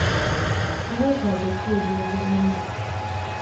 Byetaago ki eby'obulamu?